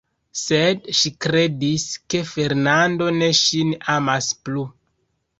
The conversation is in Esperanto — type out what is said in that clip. Sed ŝi kredis, ke Fernando ne ŝin amas plu.